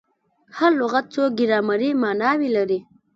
هر لغت څو ګرامري ماناوي لري.